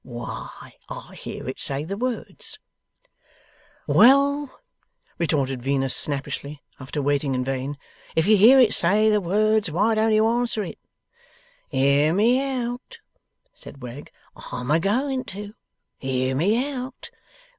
Why, I hear it say the words!' 'Well?' retorted Venus snappishly, after waiting in vain. 'If you hear it say the words, why don't you answer it?' 'Hear me out!' said Wegg. 'I'm a going to. Hear me out!